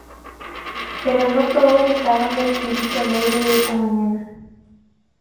Pero no todos estaban de espíritu alegre esa mañana.